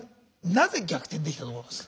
なぜ逆転できたと思います？